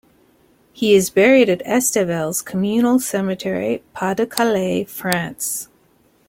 He is buried at Estevelles Communal Cemetery, Pas-de-Calais, France.